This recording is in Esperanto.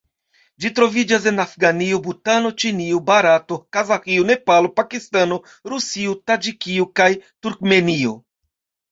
Ĝi troviĝas en Afganio, Butano, Ĉinio, Barato, Kazaĥio, Nepalo, Pakistano, Rusio, Taĝikio kaj Turkmenio.